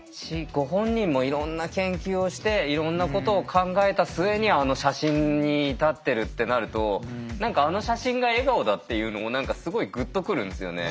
ご本人もいろんな研究をしていろんなことを考えた末にあの写真に至ってるってなると何かあの写真が笑顔だっていうのも何かすごいグッと来るんですよね。